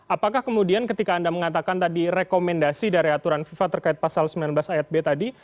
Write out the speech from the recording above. apakah kemudian ketika anda mengatakan tadi rekomendasi dari aturan fifa terkait pasal sembilan belas ayat b tadi